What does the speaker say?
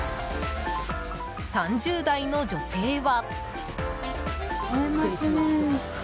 ３０代の女性は。